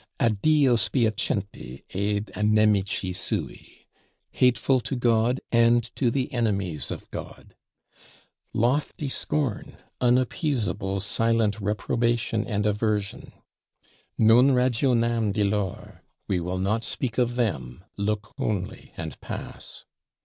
"A Dio spiacenti ed a' nemici sui, Hateful to God and to the enemies of God:" lofty scorn, unappeasable silent reprobation and aversion; "Non ragionam di lor, We will not speak of them, look only and pass."